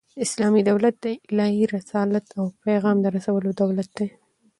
اسلامي دولت د الهي رسالت او پیغام د رسولو دولت دئ.